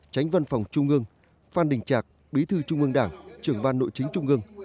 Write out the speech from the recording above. tránh văn phòng trung ương phan đình trạc bí thư trung ương đảng trưởng ban nội chính trung ương